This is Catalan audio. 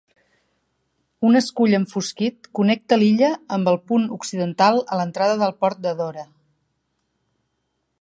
Un escull enfosquit connecta l'illa amb el punt occidental a l'entrada del port de Dora.